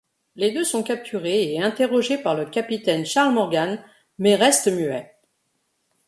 Les deux sont capturés et interrogés par le capitaine Charles Morgan, mais restent muets.